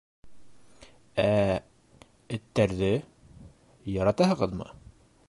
—Ә... эттәрҙе... яратаһығыҙмы?